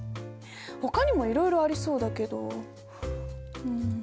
ほかにもいろいろありそうだけどうん。